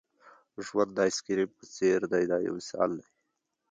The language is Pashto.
ژوند د آیس کریم په څېر دی دا یو مثال دی.